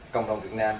cộng đồng việt nam